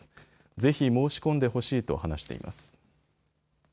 ぜひ申し込んでほしいと話しています。